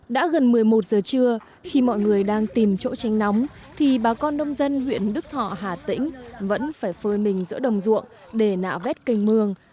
đã gần một mươi một giờ trưa khi mọi người đang tìm chỗ tránh nóng thì bà con nông dân huyện đức thọ hà tĩnh vẫn phải phơi mình giữa đồng ruộng để nạ vét canh mương